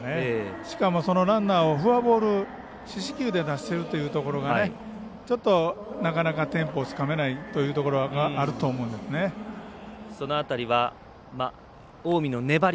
しかもそのランナーを四死球で出しているというところがちょっとなかなかテンポをつかめないというところがその辺りは近江の粘り